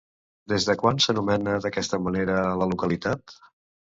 Des de quan s'anomena d'aquesta manera la localitat?